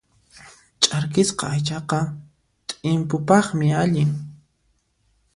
Ch'arkisqa aychaqa t'impupaqmi allin.